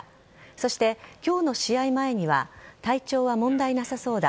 そして、今日の試合前には体調は問題なさそうだ。